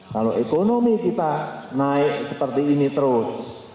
kalau ekonomi kita naik seperti ini terus